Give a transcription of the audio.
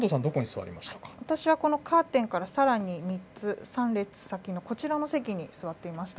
私はこのカーテンからさらに３つ、３列先のこちらの席に座っていました。